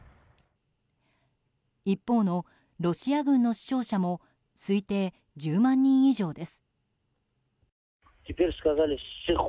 一方のロシア軍の死傷者も推定１０万人以上です。